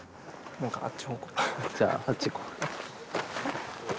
じゃああっち行こう。